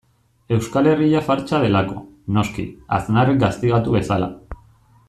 Euskal Herria fartsa delako, noski, Aznarrek gaztigatu bezala.